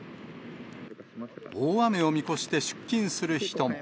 大雨を見越して出勤する人も。